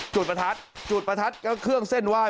จุดประทัดจุดประทัดก็เครื่องเส้นไหว้